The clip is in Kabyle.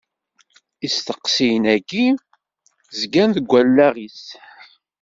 Isteqsiyen-agi zgan deg wallaɣ-is.